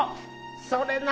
それな。